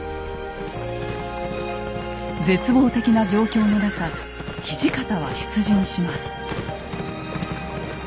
絶望的な状況の中土方は出陣します。